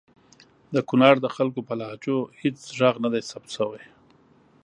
د کنړ د خلګو په لهجو هیڅ ږغ ندی ثبت سوی!